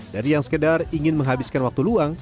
dari yang sekedar ingin menghabiskan waktu luang